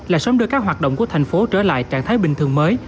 là sớm đưa các hoạt động của thành phố trở lại trạng thái bình thường mới